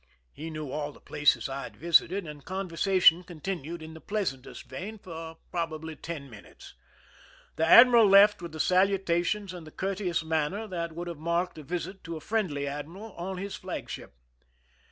He knew all the places I had visited, and conversation con tinued in the pleasantest vein for probably ten minutes. The admiral left with the salutations and the courteous manner that would have marked a visit to a friendly admiral on his flagship.